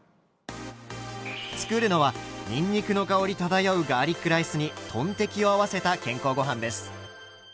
作るのはにんにくの香り漂うガーリックライスにトンテキを合わせた健康ごはんです。